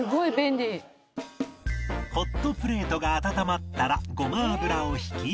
ホットプレートが温まったらごま油を引き